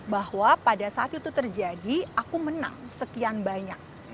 bahwa pada saat itu terjadi aku menang sekian banyak